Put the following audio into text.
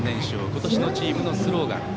今年のチームのスローガン。